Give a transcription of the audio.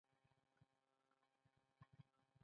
په اکسوم کې پیسې دود وې.